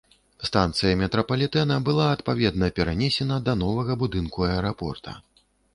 Станцыя метрапалітэна была адпаведна перанесена да новага будынку аэрапорта.